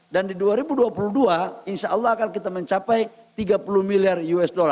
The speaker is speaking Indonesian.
dan di dua ribu dua puluh dua insya allah akan kita mencapai rp tiga puluh miliar usd